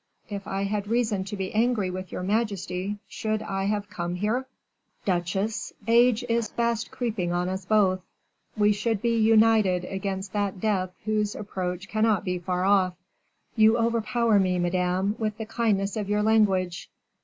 If I had reason to be angry with your majesty, should I have come here?" "Duchesse, age is fast creeping on us both; we should be united against that death whose approach cannot be far off." "You overpower me, madame, with the kindness of your language."